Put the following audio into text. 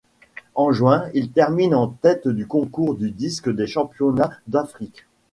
En juin, il termine en tête du concours du disque des championnats d'Afrique.